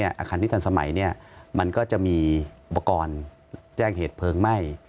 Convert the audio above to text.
อาคารที่ทันสมัยมันก็จะมีอุปกรณ์แจ้งเหตุเพลิงไหม้